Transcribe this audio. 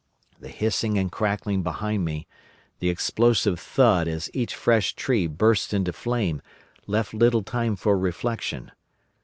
The hissing and crackling behind me, the explosive thud as each fresh tree burst into flame, left little time for reflection.